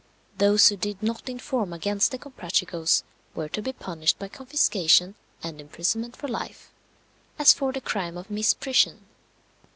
Those who did not inform against the Comprachicos were to be punished by confiscation and imprisonment for life, as for the crime of misprision.